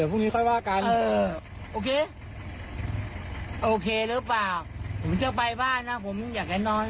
ผมเข้าใจกันไง